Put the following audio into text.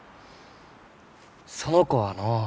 その子はのう。